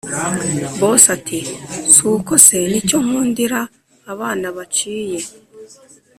boss ati”suko se nicyo nkundira abana baciye